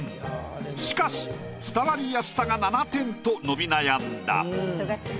しかし伝わりやすさが７点と伸び悩んだ。